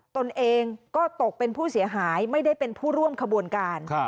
ตนเองก็ตกเป็นผู้เสียหายไม่ได้เป็นผู้ร่วมขบวนการ